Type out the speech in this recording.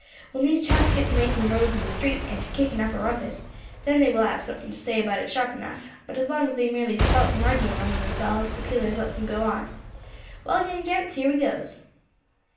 When these chaps gets to making rows in the street, and to kicking up a rumpus, then they will have something to say about it sharp enough; but as long as they merely spout and argue among themselves, the peelers lets them go on. Well, young gents, here we goes."